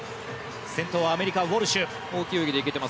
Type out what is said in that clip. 先頭はアメリカのウォルシュ。